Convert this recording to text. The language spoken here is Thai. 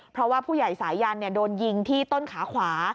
เพราะว่าผู้ใหญ่สายันโดนยิงที่ต้นขาขวา